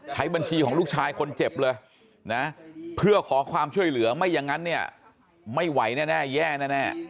ใช้บัญชีของลูกชายคนเจ็บเลยนะเพื่อขอความช่วยเหลือไม่อย่างนั้นเนี่ยไม่ไหวแน่แย่แน่